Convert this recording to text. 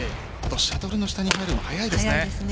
シャトルの下に入るのが速いですね。